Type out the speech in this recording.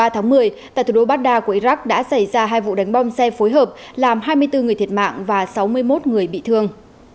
ba tháng một mươi tại thủ đô baghdad của iraq đã xảy ra hai vụ đánh bom xe phối hợp làm hai mươi bốn người thiệt mạng và sáu mươi một người bị thương